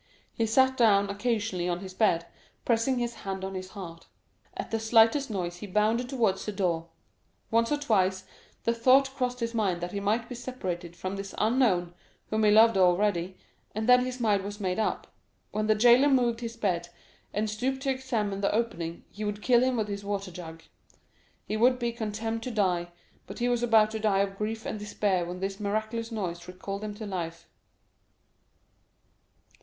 He sat down occasionally on his bed, pressing his hand on his heart. At the slightest noise he bounded towards the door. Once or twice the thought crossed his mind that he might be separated from this unknown, whom he loved already; and then his mind was made up—when the jailer moved his bed and stooped to examine the opening, he would kill him with his water jug. He would be condemned to die, but he was about to die of grief and despair when this miraculous noise recalled him to life.